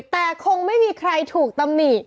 แต่คงไม่มีใครถูกตำหนิ